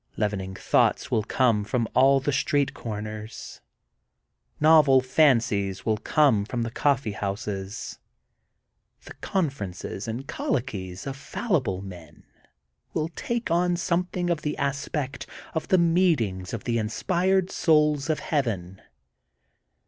Leavening thoughts will come from all the street comers. Novel fancies will come from the coffee houses. The conferences and colloquies of fallible men will take on something of the aspect of the meetings of the inspired souls of Heaven.